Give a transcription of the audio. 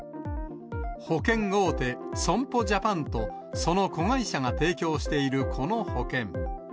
保険大手、損保ジャパンと、その子会社が提供しているこの保険。